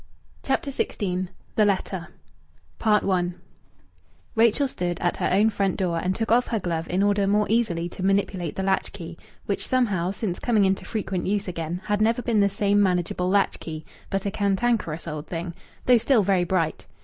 CHAPTER XVI THE LETTER I Rachel stood at her own front door and took off her glove in order more easily to manipulate the latch key, which somehow, since coming into frequent use again, had never been the same manageable latch key, but a cantankerous old thing, though still very bright.